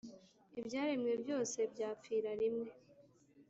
ibyaremwe byose byapfira rimwe,